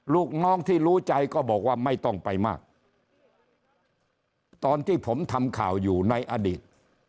ลูกน้องที่รู้ใจก็บอกว่าไม่ต้องไปมากตอนที่ผมทำข่าวอยู่ในอดีต